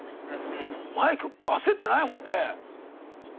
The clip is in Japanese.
マイク焦ってないもんね。